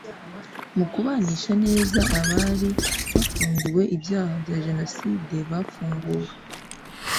mu kubanisha neza abari bafungiwe ibyaha bya Jenoside bafunguwe